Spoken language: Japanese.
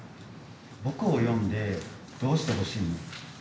僕を呼んでどうしてほしいの？